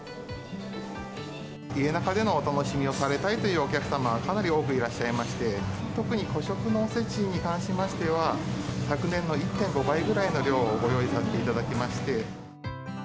家ナカでのお楽しみをされたいというお客様、かなり多くいらっしゃいまして、特に個食のおせちに関しましては、昨年の１．５倍ぐらいの量をご用意させていただきまして。